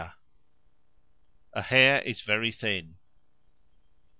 A hair is very thin.